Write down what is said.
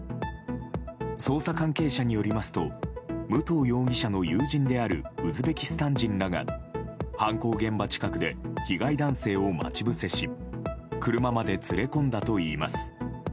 捜査関係者によりますと武藤容疑者の友人であるウズベキスタン人らが犯行現場近くで被害男性を待ち伏せし車まで連れ込んだといいます。